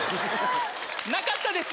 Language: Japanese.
なかったです。